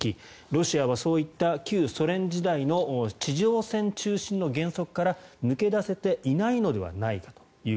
ロシアはそういった旧ソ連時代の地上戦中心の原則から抜け出せていないのではないかと。